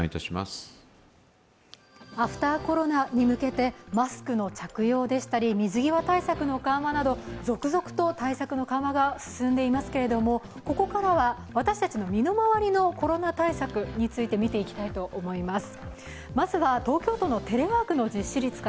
アフター・コロナに向けてマスクの着用でしたり水際対策の緩和など続々と対策の緩和が進んでいますけれどもここからは私たちの身の回りのコロナ対策について見ていきたいと思います。